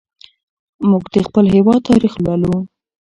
موږ د خپل هېواد تاریخ لولو.